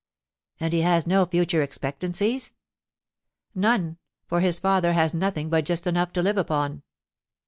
"And he has no future expectancies?" "None; for his father has nothing but just enough to live upon."